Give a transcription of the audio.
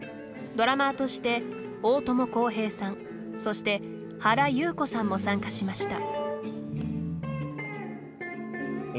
ドラマーとして大友康平さんそして原由子さんも参加しました。